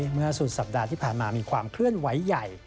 เมื่อสุดสัปดาห์ที่ผ่านมามีความเคลื่อนไหวใหญ่